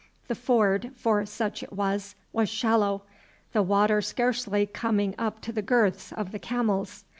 The ford, for such it was, was shallow, the water scarcely coming up to the girths of the camels.